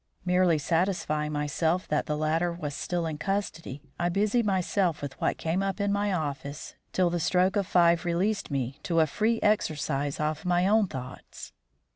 Merely satisfying myself that the latter was still in custody, I busied myself with what came up in my office, till the stroke of five released me to a free exercise of my own thoughts.